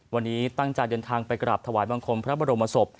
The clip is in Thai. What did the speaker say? วันนี้ตั้งใจเดินทางไปกราบถวายบังคมพระบรมศพ